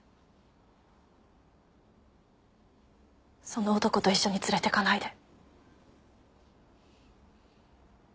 その男と一緒に連れていかないで。